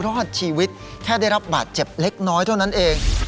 รอดชีวิตแค่ได้รับบาดเจ็บเล็กน้อยเท่านั้นเอง